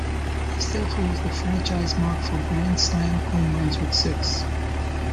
He still holds the franchise mark for grand slam home runs with six.